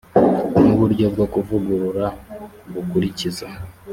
n uburyo bwo kuvugurura bukurikiza